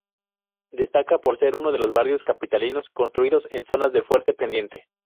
Destaca por ser uno de los barrios capitalinos construidos en zonas de fuerte pendiente.